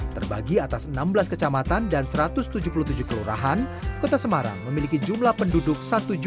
terbagi atas enam belas kecamatan dan satu ratus tujuh puluh tujuh kelurahan kota semarang memiliki jumlah penduduk satu tujuh ratus